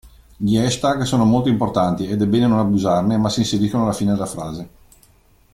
Gli hashtag sono molto importanti ed è bene non abusarne ma si inseriscono alla fine della frase.